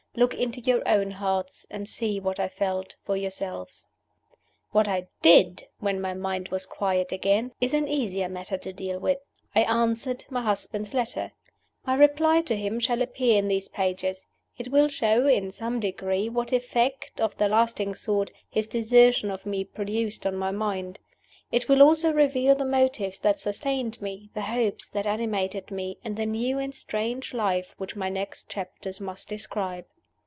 look into your own hearts, and see what I felt, for yourselves. What I did, when my mind was quiet again, is an easier matter to deal with. I answered my husband's letter. My reply to him shall appear in these pages. It will show, in some degree, what effect (of the lasting sort) his desertion of me produced on my mind. It will also reveal the motives that sustained me, the hopes that animated me, in the new and strange life which my next chapters must describe.